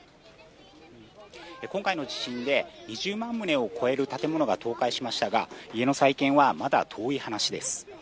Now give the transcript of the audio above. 今回の地震で、２０万棟を超える建物が倒壊しましたが、家の再建はまだ遠い話です。